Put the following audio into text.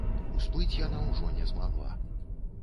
Усплыць яна ўжо не змагла.